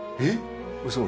えっ？